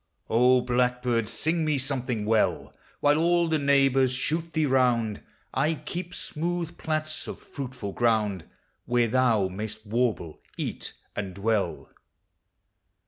O Blackbird ! sing me something well : While all the neighbors shoot thee round, I keep smooth plats of fruitful ground, Where thou inay'st warble, eat, and dwell.